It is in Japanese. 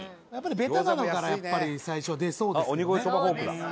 ベタなのからやっぱり最初は出そうですよね。